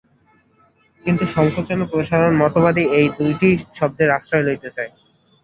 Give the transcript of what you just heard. কিন্তু সঙ্কোচন ও প্রসারণ-মতবাদী এই দুইটি শব্দের আশ্রয় লইতে চায়।